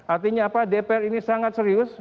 artinya apa dpr ini sangat serius